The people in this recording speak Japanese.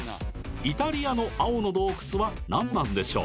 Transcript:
イタリアの「青の洞窟」は何番でしょう？